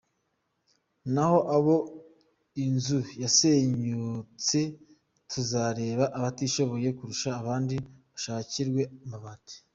Naho abo inzu zasenyutse tuzareba abatishoboye kurusha abandi bashakirwe amabati.